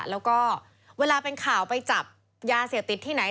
แล้วก็เวลาเป็นข่าวไปจับยาเสพติดที่ไหน